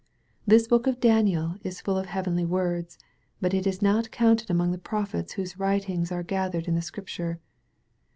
This book of Daniel is full of heavenly words, but it is not counted among the prophets whose writings are gathered in the Scrip ture.